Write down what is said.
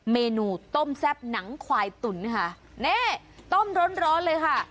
เมนูต้มแซ่บหนังควายตุ๋นค่ะนี่ต้มร้อนร้อนเลยค่ะ